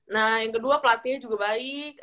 nah yang kedua pelatihnya juga baik